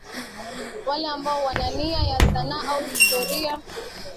Wale ambao wana nia ya sanaa au historia